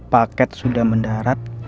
paket sudah mendarat